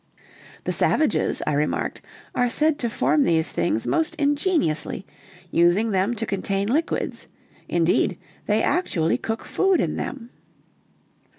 "The savages," I remarked, "are said to form these things most ingeniously, using them to contain liquids: indeed, they actually cook food in them."